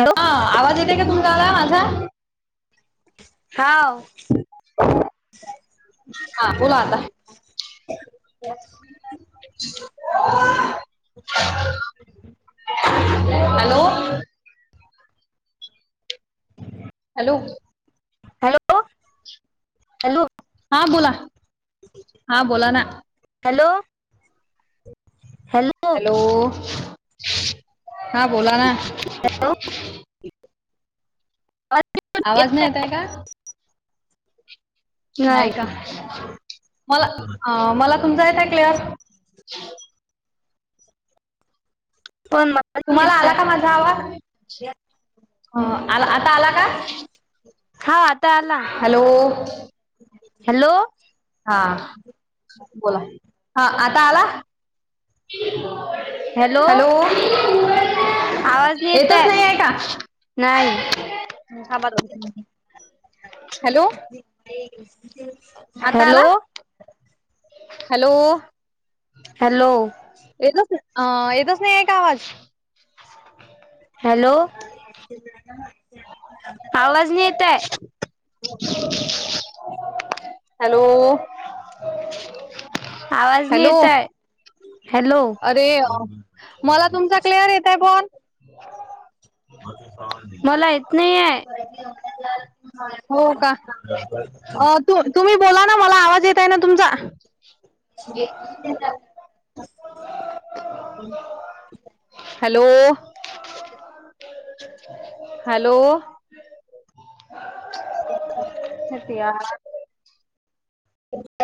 Hello हा आवाज येतय का तुमच्याला माझा हाव. हा ज्ञज्ञह बोला आता [unintelligible] ततय [unintelligible] ह् [unintelligible] हॅलो. Hello hello hello. हा बोला हा बोला ना. हॅलो. हॅलो हा बोला ना. ब [unintelligible] आवाज नाही येतय का. नाही का मला मला तुमचा आहे. क्लिअर. पण मला नाही तुम्हाला येत आला का माजा आहे ह आला आता आला का. हा आ हॅलो. हॅलो. हा बोला हा आता आला. हॅलो येतच नाही आहे का नाही हॅलो हॅलो हॅालो हॅलो अ येतच नाही आहे का आवाज हॅलो. आवाज नाही येताय. हॅलो. आवाज नाही हॅलो येताय. अरे मला तुमचा क्लियर येताय पण मला येत नाहीये. हो का ओ तु तुम्ही बोला ना मला आवाज येत आहे ना तुमचा. [unintelligible] Hello hello. शीट यार. [unintelligible]